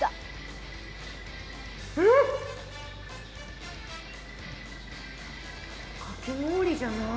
うんかき氷じゃない。